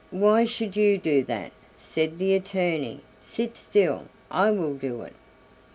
"Why should you do that?" said the attorney; "sit still, I will do it."